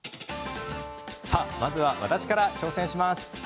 さあ、まずは私から挑戦。